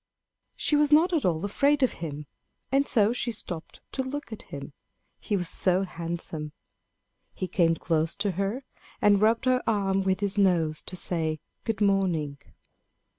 She was not at all afraid of him; and so she stopped to look at him, he was so handsome. He came close to her, and rubbed her arm with his nose to say "Good morning!"